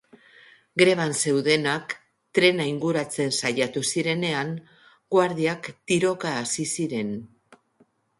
Greban zeudenak trena inguratzen saiatu zirenean, guardiak tiroka hasi ziren.